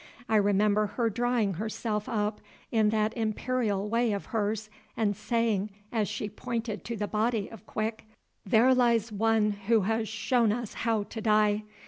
I remember her drawing herself up in that imperial way of hers, and saying, as she pointed to the body of Quick: "There lies one who has shown us how to die.